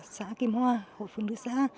xã kim hoa hội phụ nữ xã